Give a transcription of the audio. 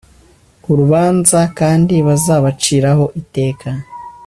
urubanza kandi bazabaciraho iteka